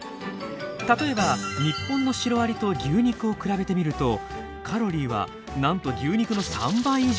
例えば日本のシロアリと牛肉を比べてみるとカロリーはなんと牛肉の３倍以上。